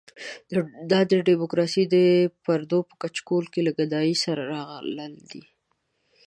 دا ډیموکراسي د پردو په کچکول کې له ګدایۍ سره راغلې ده.